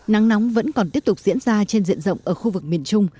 nắng nóng vẫn còn tiếp tục diễn ra trên diện rộng ở khu vực miền trung